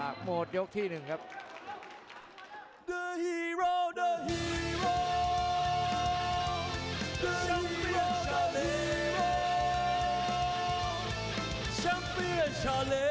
อ้าวอย่างจะเอาน้ำพืช